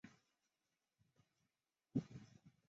驼背丘腹蛛为球蛛科丘腹蛛属的动物。